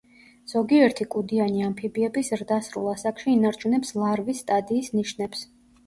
ზოგიერთი კუდიანი ამფიბიები ზრდასრულ ასაკში ინარჩუნებს ლარვის სტადიის ნიშნებს.